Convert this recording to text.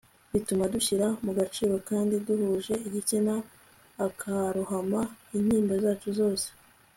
bituma dushyira mugaciro kandi duhuje igitsina; akarohama intimba zacu zose